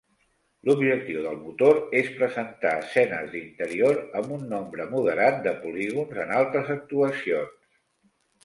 L'objectiu del motor és presentar escenes d'interior amb un nombre moderat de polígons en altes actuacions.